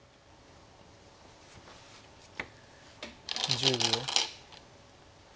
１０秒。